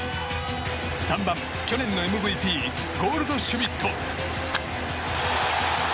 ３番、去年のＭＶＰゴールドシュミット。